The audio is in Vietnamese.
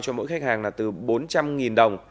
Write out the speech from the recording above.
cho mỗi khách hàng là từ bốn trăm linh đồng